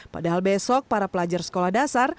padahal besok para pelajar sekolah dasar